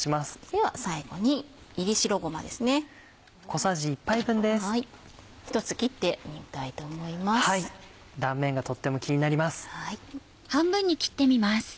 はい断面がとっても気になります。